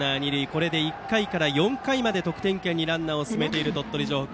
これで１回から４回まで得点圏にランナーを進めている鳥取城北。